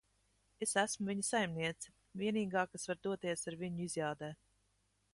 Es esmu viņa saimniece. Vienīgā, kas var doties ar viņu izjādē.